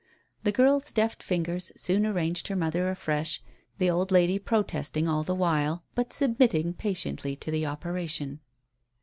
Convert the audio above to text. The girl's deft fingers soon arranged her mother afresh, the old lady protesting all the while, but submitting patiently to the operation.